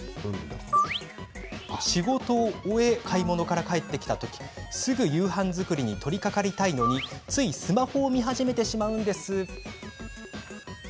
仕事を終え買い物から帰ってきた時すぐ夕飯作りに取りかかりたいのに、ついスマホを見始めてしまうんです。